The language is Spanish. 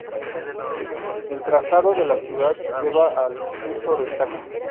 El trazado de la ciudad lleva al uso de Taxis.